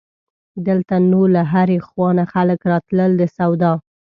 دلته نو له هرې خوا نه خلک راتلل د سودا.